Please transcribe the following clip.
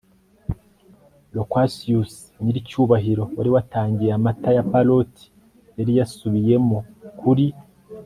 loquacious nyiricyubahiro wari watangiye amata ya paroti yari yasubiyemo kuri